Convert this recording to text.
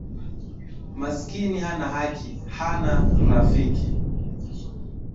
Masikini hana haki, hana rafiki